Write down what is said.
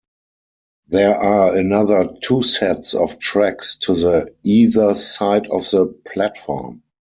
There are another two sets of tracks to the either side of the platform.